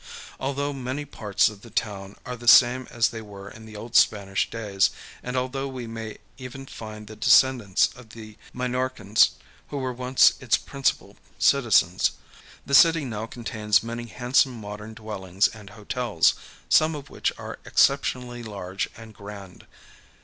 Although many parts of the town are the same as they were in the old Spanish days, and although we may even find the descendants of the Minorcans who were once its principal citizens, the city now contains many handsome modern dwellings and hotels, some of which are exceptionally large and grand.